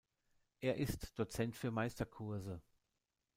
Er ist Dozent für Meisterkurse.